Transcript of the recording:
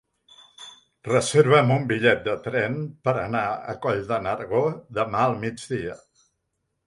Reserva'm un bitllet de tren per anar a Coll de Nargó demà al migdia.